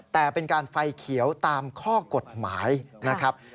แต่เป็นการไฟเขียวตามข้อกฎหมายนะครับ